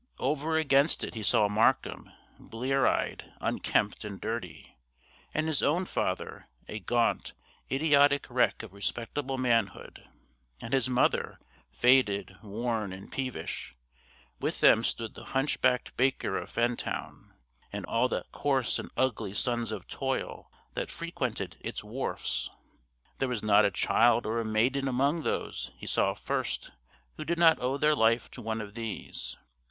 Over against it he saw Markham, blear eyed, unkempt and dirty; and his own father, a gaunt, idiotic wreck of respectable manhood; and his mother, faded, worn, and peevish; with them stood the hunch backed baker of Fentown and all the coarse and ugly sons of toil that frequented its wharfs. There was not a child or a maiden among those he saw first who did not owe their life to one of these.